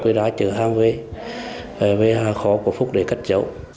rồi ra chở hàng về về khó của phúc để cất giấu